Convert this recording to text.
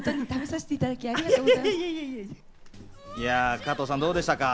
加藤さん、どうでしたか？